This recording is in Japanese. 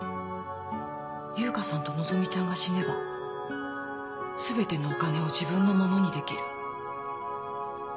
優香さんと希美ちゃんが死ねば全てのお金を自分のものにできる。